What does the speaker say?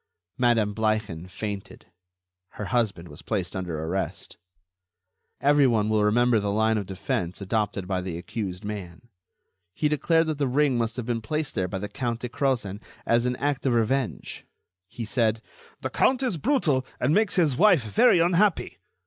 Madame Bleichen fainted. Her husband was placed under arrest. Everyone will remember the line of defense adopted by the accused man. He declared that the ring must have been placed there by the Count de Crozen as an act of revenge. He said: "The count is brutal and makes his wife very unhappy.